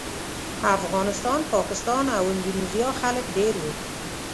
افغانستان، پاکستان او اندونیزیا خلک ډېر وو.